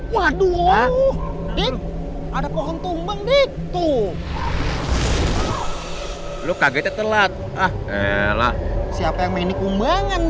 waduh ada pohon tumbang di tu lu kaget telat ah elah siapa yang main kumbangan